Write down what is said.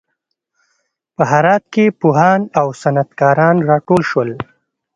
په هرات کې پوهان او صنعت کاران راټول شول.